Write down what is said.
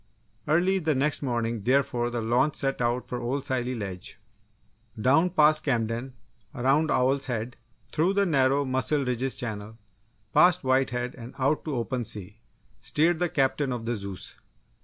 Early the next morning, therefore, the launch set out for old Scilly Ledge. Down past Camden, around Owl's Head, through the narrow Mussel Ridges Channel, past White Head and out to open sea, steered the Captain of the Zeus!